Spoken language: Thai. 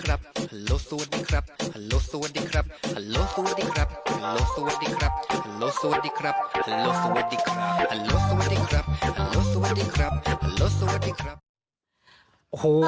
ขับเคลื่อนได้กันด้วยอะไรครับพี่เบิร์ช